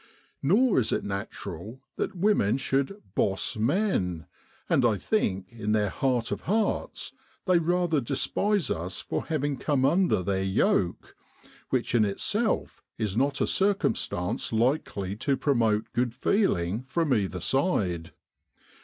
Nor is it natural that women should ' boss ' men ; and I think, in their heart of hearts, they rather despise us for having come under their yoke, which in itself is not a circumstance likely to promote good feeling from either side.